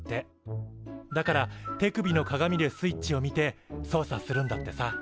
だから手首の鏡でスイッチを見て操作するんだってさ。